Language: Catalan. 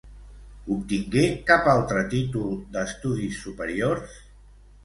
Obtingué cap altre títol d'estudis superiors?